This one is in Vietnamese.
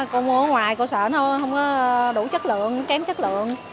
cô mua ở ngoài cô sợ nó không có đủ chất lượng kém chất lượng